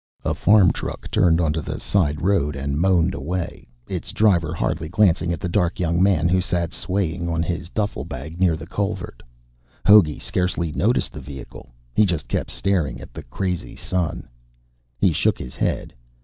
A farm truck turned onto the side road and moaned away, its driver hardly glancing at the dark young man who sat swaying on his duffle bag near the culvert. Hogey scarcely noticed the vehicle. He just kept staring at the crazy sun. He shook his head.